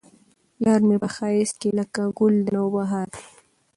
يار مې په ښايست کې لکه ګل د نوبهار دى